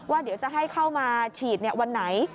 เดี๋ยวจะให้เข้ามาฉีดวันไหน